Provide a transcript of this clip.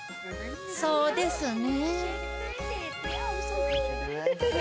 そうですね。